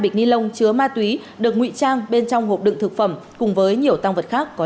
một bịch ni lông chứa ma túy được ngụy trang bên trong hộp đựng thực phẩm cùng với nhiều tăng vật khác có